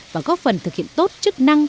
và góp phần thực hiện tốt chức năng